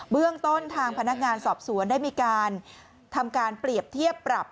เรื่องต้นทางพนักงานสอบสวนได้มีการทำการเปรียบเทียบปรับ